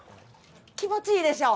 気持ちいいでしょ？